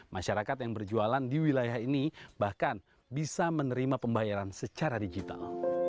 masyarakat yang berjualan di wilayah ini bahkan bisa menerima pembayaran secara digital